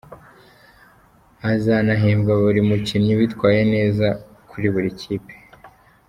Hazanahembwa buri mukinnyi witwaye neza kuri buri kipe.